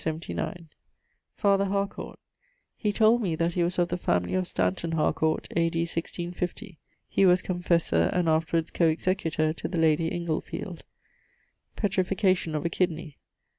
Father Harcourt he told me that he was of the familie of Stanton Harcourt, A.D. 1650. He was confessor, and afterwards co executor, to the lady Inglefield. _Petrification of a kidney.